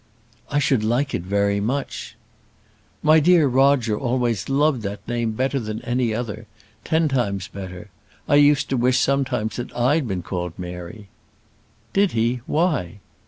"I should like it very much." "My dear Roger always loved that name better than any other; ten times better. I used to wish sometimes that I'd been called Mary." "Did he! Why?"